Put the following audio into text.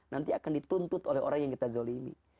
nanti akan dituntut oleh orang yang kita zolimi